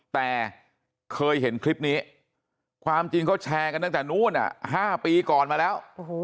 แต่เคยเห็นคลิปนี้ความจริงเขาแชร์กันตั้งแต่นู้น๕ปีก่อนมาแล้ว